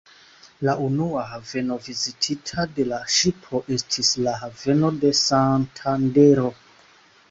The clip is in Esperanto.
La unua haveno vizitita de la ŝipo estis la haveno de Santandero.